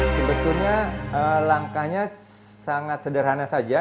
sebetulnya langkahnya sangat sederhana saja